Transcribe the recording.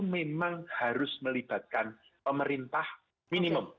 pemerintahan itu harus melibatkan pemerintah minimum